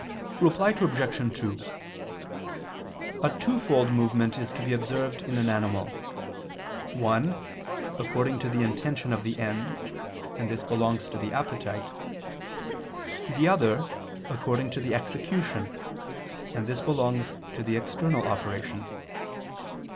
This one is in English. Reply Obj. 2: A twofold movement is to be observed in an animal: one, according to the intention of the end, and this belongs to the appetite; the other, according to the execution, and this belongs to the external operation.